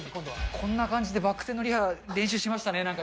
こんな感じでバク転のリハ、練習しましたね、なんか。